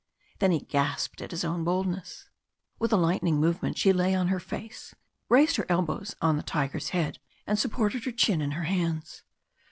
Then he gasped at his own boldness. With a lightning movement she lay on her face, raised her elbows on the tiger's head, and supported her chin in her hands.